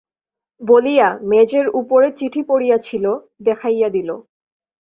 বলিয়া, মেজের উপরে চিঠি পড়িয়া ছিল, দেখাইয়া দিল।